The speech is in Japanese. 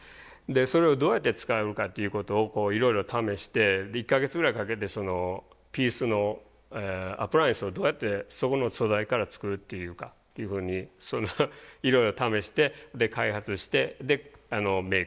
それをどうやって使うかっていうことをいろいろ試して１か月ぐらいかけてピースのアプライアンスをどうやってそこの素材から作るっていうかっていうふうにいろいろ試してで開発してメイクに使いました。